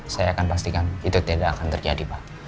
saya akan pastikan itu tidak akan terjadi pak